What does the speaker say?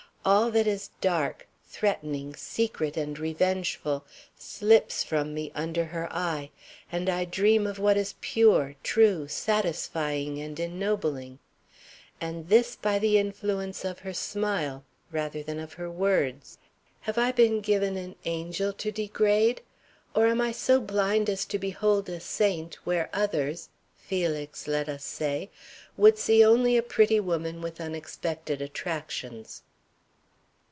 All that is dark, threatening, secret, and revengeful slips from me under her eye, and I dream of what is pure, true, satisfying, and ennobling. And this by the influence of her smile, rather than of her words. Have I been given an angel to degrade? Or am I so blind as to behold a saint where others (Felix, let us say) would see only a pretty woman with unexpected attractions?